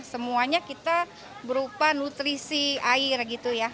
semuanya kita berupa nutrisi air gitu ya